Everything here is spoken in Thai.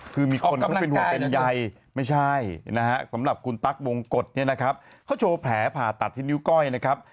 คือมีคนเขาเป็นห่วงเป็นใยไม่ใช่นะฮะสำหรับคุณตั๊กวงกฎเนี่ยนะครับเขาโชว์แผลผ่าตัดที่นิ้วก้อยนะครับ